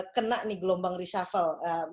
kena nih gelombang reshuffle